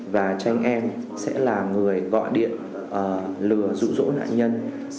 và tranh em sẽ là người gọi điện lừa rụ rỗ nạn nhân